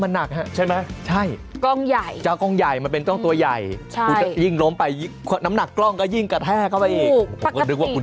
อาจไม่เหมาะนอกหลากมั้งช่องตรวจให้ยังไหงนะนับกร้องมาหนักใช่ไหมใช่กล้องใหญ่